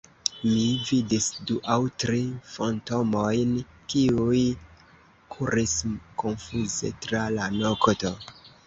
Mi vidis du aŭ tri fantomojn, kiuj kuris konfuze tra la nokto.